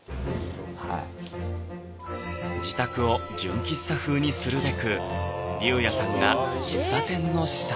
自宅を純喫茶風にするべく竜哉さんが喫茶店の視察